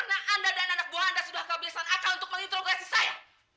apa karena anda dan anak buah anda sudah kebiasaan akal untuk menginterogasi saya